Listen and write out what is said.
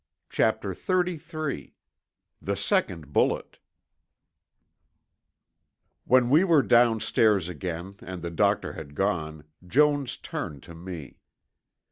CHAPTER XXXIII THE SECOND BULLET When we were downstairs again and the doctor had gone, Jones turned to me.